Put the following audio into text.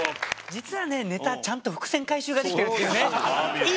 実はねネタちゃんと伏線回収ができてるっていうね。